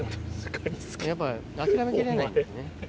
やっぱ諦めきれないんだね。